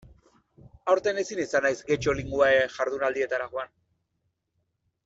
Aurten ezin izan naiz Getxo Linguae jardunaldietara joan.